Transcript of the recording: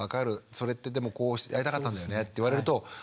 それってでもこうやりたかったんですねって言われるとそうなんだよ